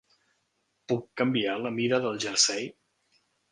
Puc canviar la mida del jersei?